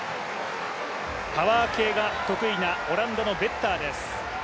パワー系が得意なオランダのベッターです。